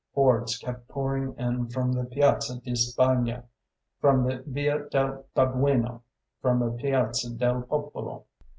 Hordes kept pouring in from the Piazza di Spagna, from the Via del Babbuino, from the Piazza del Popolo.